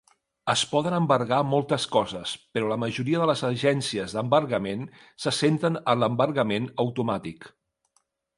Es poden embargar moltes coses, però la majoria de les agències d'embargament se centren en l'embargament automàtic.